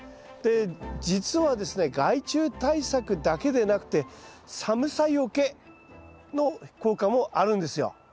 で実はですね害虫対策だけでなくて寒さよけの効果もあるんですよ。